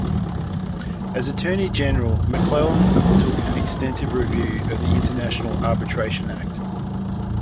As Attorney General, McClelland undertook an extensive review of the International Arbitration Act.